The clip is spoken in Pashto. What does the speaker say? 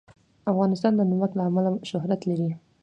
افغانستان د نمک له امله شهرت لري.